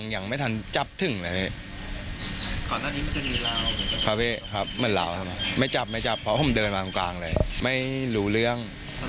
ยังไม่ทันจับถึงเลยเพราะผมเดินมาตรงกลางเลยไม่รู้เรื่อง